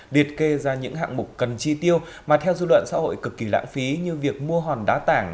liệt kê ra những hạng mục cần chi tiêu mà theo dư luận xã hội cực kỳ lãng phí như việc mua hòn đá tảng